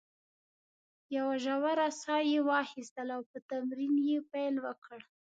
یوه ژوره ساه یې واخیستل او په تمرین یې پیل وکړ.